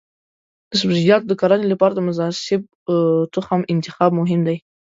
د سبزیجاتو د کرنې لپاره د مناسب تخم انتخاب مهم دی.